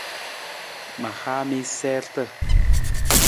Ma haa mi siirta.